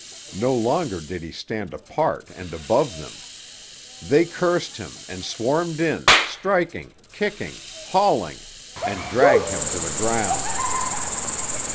No longer did he stand apart and above them. They cursed him and swarmed in, striking, kicking, hauling, and dragged him to the ground.